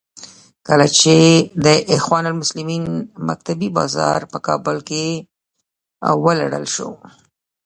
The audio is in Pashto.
کله چې د اخوان المسلمین مکتبې بازار په کابل کې ولړل شو.